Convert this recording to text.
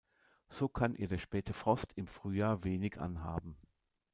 So kann ihr der späte Frost im Frühjahr wenig anhaben.